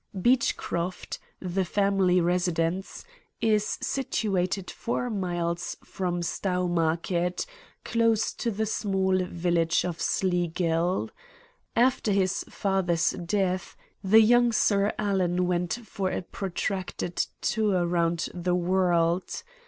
"Beechcroft, the family residence, is situated four miles from Stowmarket, close to the small village of Sleagill. After his father's death, the young Sir Alan went for a protracted tour round the world.